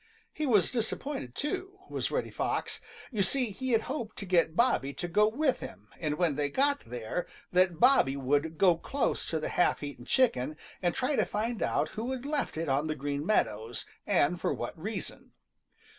He was disappointed, too, was Reddy Fox. You see he had hoped to get Bobby to go with him and when they got there that Bobby would go close to the half eaten chicken and try to find out who had left it on the Green Meadows, and for what reason.